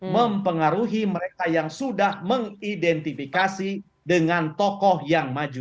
mempengaruhi mereka yang sudah mengidentifikasi dengan tokoh yang maju